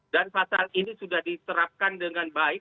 dan pasal ini sudah diserapkan dengan baik